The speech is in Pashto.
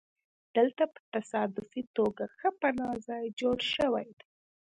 دلته په تصادفي توګه ښه پناه ځای جوړ شوی دی